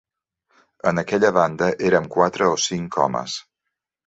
En aquella banda érem quatre o cinc homes.